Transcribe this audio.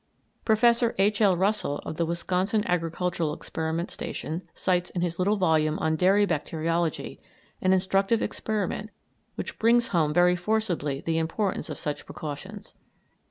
Professor H. L. Russell, of the Wisconsin Agricultural Experiment Station, cites in his little volume on Dairy Bacteriology an instructive experiment which brings home very forcibly the importance of such precautions.